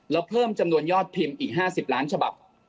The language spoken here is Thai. แล้วเพิ่มจำนวนยอดพิมพ์อีก๕๐ล้านฉบับ